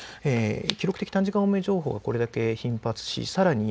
記録的短時間大雨情報がこれだけ頻発しさらに